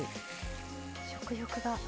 食欲が。